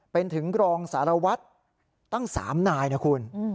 เป็นถึงรองสารวัตรตั้ง๓นายนะคุณ